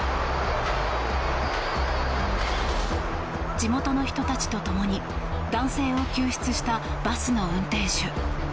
地元の人たちと共に男性を救出したバスの運転手。